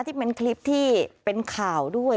ที่เป็นคลิปที่เป็นข่าวด้วย